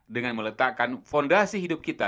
dengan meletakkan fondasi hidup kita